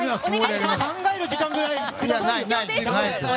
考える時間ぐらいくださいよ。